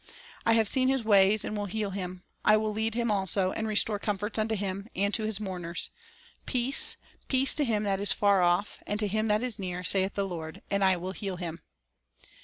I have seen his ways, and will heal him; I will lead him also, and restore comforts unto him and to his mourners. ... Peace, peace to him that is far off, and to him that is near, saith the Lord; and I will heal him."